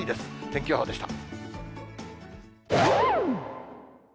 天気予報でした。